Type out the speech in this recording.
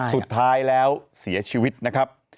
สุดท้ายแล้วเสียชีวิตนะครับ